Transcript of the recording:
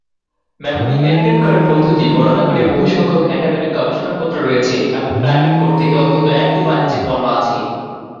Memory encrypt করার পদ্ধতি বর্ণনা করে বহুসংখ্যক একাডেমিক গবেষণাপত্র রয়েছে এবং প্রাইভেট-কোর থেকে অন্তত একটি বাণিজ্যিক পণ্য আছে।